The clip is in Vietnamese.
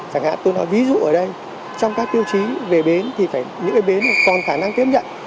chẳng hạn tôi nói ví dụ ở đây trong các tiêu chí về bến thì những cái bến còn khả năng tiếp nhận